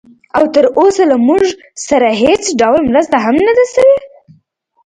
او تراوسه له موږ سره هېڅ ډول مرسته هم نه ده شوې